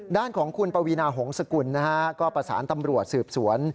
ด้านของคุณปวีนาหงษกุลนะฮะก็ประสานตำรวจสืบสวน